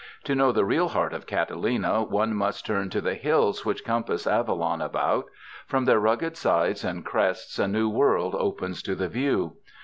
To know the real heart of Catalina one must turn to the hills which compass Avalon about. From their rugged sides and crests a new world opens to the view.